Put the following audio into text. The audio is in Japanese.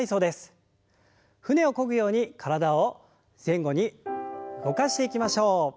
舟をこぐように体を前後に動かしていきましょう。